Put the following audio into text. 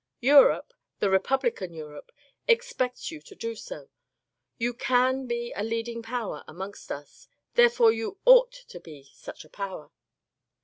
Europe — the republican Europe — expects you to do so. You can be a leading power amongst us ; tiieref ore, you ought to be such a power.